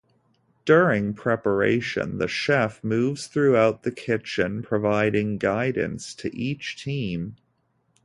During preparation, the chef moves throughout the kitchen providing guidance to each team.